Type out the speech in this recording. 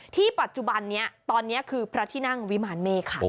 ปัจจุบันนี้ตอนนี้คือพระที่นั่งวิมารเมฆค่ะ